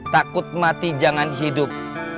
takut mati jangan hidup